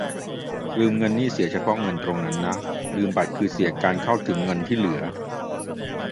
ลืมเงินนี่เสียเฉพาะเงินตรงนั้นนะ ลืมบัตรคือเสียการเข้าถึงเงินที่เหลือ